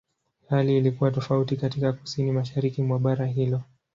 Hali ilikuwa tofauti katika Kusini-Mashariki mwa bara hilo.